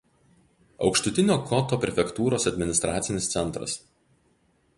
Aukštutinio Koto prefektūros administracinis centras.